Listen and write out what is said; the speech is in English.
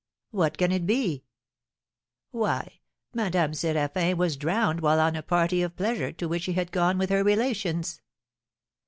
"What can it be?" "Why, Madame Séraphin was drowned while on a party of pleasure to which she had gone with her relations."